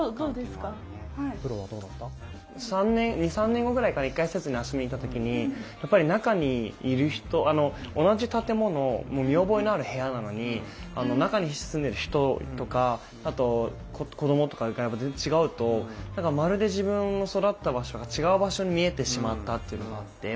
２３年後ぐらいかな一回施設に遊びに行った時にやっぱり中にいる人同じ建物見覚えのある部屋なのに中に住んでる人とかあと子どもとかが全然違うとまるで自分の育った場所が違う場所に見えてしまったっていうのがあって。